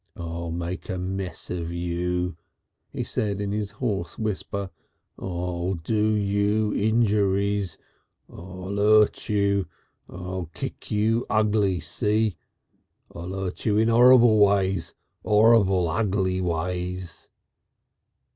"I'll make a mess of you," he said in his hoarse whisper. "I'll do you injuries. I'll 'urt you. I'll kick you ugly, see? I'll 'urt you in 'orrible ways 'orrible, ugly ways...."